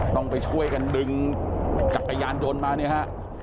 ต้องไปช่วยกันดึงจักรยานยนต์มาเนี่ยฮะ